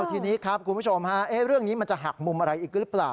ทีนี้ครับคุณผู้ชมฮะเรื่องนี้มันจะหักมุมอะไรอีกหรือเปล่า